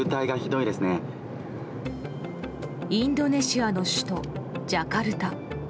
インドネシアの首都ジャカルタ。